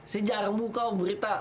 saya jarang buka om berita